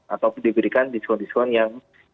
ataupun diberikan diskon diskon yang